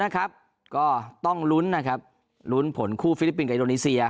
ก็ต้องลุ้นผลคู่ฟิลิปินก์กับอินโอนิเซีย